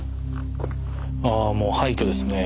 あもう廃虚ですね。